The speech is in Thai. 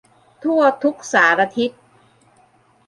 ทั่วทุกสารทิศ